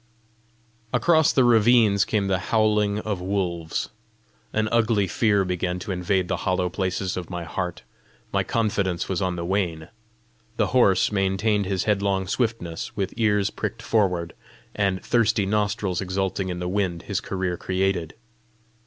Across the ravines came the howling of wolves. An ugly fear began to invade the hollow places of my heart; my confidence was on the wane! The horse maintained his headlong swiftness, with ears pricked forward, and thirsty nostrils exulting in the wind his career created.